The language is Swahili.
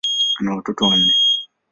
Ana watoto wanne.